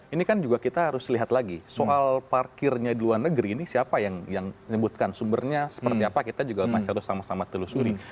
ini kan juga kita harus lihat lagi soal parkirnya di luar negeri ini siapa yang menyebutkan sumbernya seperti apa kita juga masih harus sama sama telusuri